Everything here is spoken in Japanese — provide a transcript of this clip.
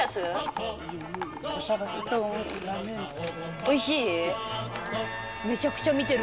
おいしい？